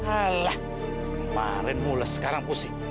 alah kemarin mules sekarang pusing